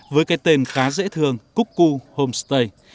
với cái tên khá dễ thương cúc cu homestay